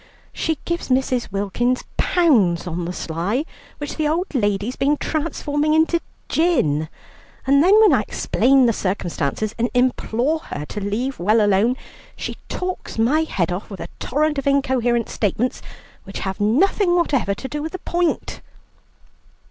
She gives Mrs. Wilkins pounds on the sly, which the old lady's been transforming into gin, and then when I explain the circumstances and implore her to leave well alone, she talks my head off with a torrent of incoherent statements, which have nothing whatever to do with the point."